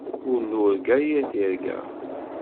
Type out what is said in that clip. Ur nurga yir tirga.